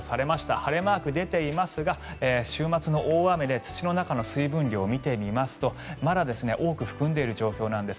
晴れマーク出ていますが週末の大雨で土の中の水分量を見てみますとまだ多く含んでいる状況なんです。